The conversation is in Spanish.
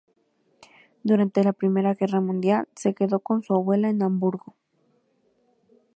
Durante la Primera Guerra Mundial, se quedó con su abuela en Hamburgo.